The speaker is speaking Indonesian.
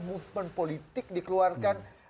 movement politik dikeluarkan